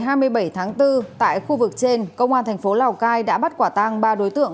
một mươi tám h năm mươi năm ngày hai mươi bảy tháng bốn tại khu vực trên công an thành phố lào cai đã bắt quả tăng ba đối tượng